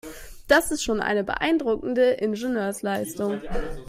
Das ist schon eine beeindruckende Ingenieursleistung.